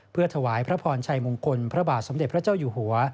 เพื่อถวายพระพรชัยมงคลพระบาทสมเด็จพระเจ้าอยู่หัว